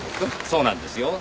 そうなんですよ。